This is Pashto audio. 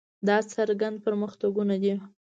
دا څرګند پرمختګونه دي.